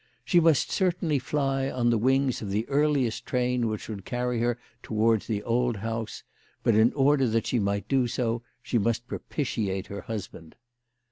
She must certainly fly on the wings of the earliest train which would carry her towards the old house ; but in order that she might do so she must propitiate her husband.